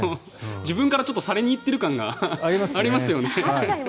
自分からされに行ってる感がありますよね。